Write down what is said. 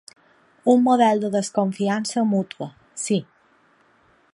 Un model de desconfiança mútua, sí.